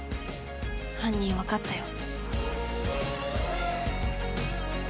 犯人わかったよ。